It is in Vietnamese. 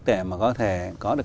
để mà có thể có được